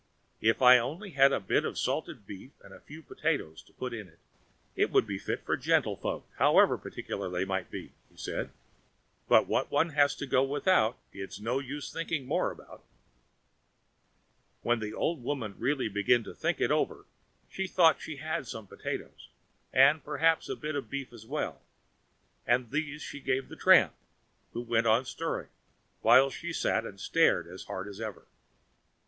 "If I had only a bit of salted beef and a few potatoes to put in, it would be fit for gentlefolks, however particular they might be," he said. "But what one has to go without, it's no use thinking more about." When the old woman really began to think it over, she thought she had some potatoes, and perhaps a bit of beef as well; and these she gave the tramp, who went on stirring, while she sat and stared as hard as ever.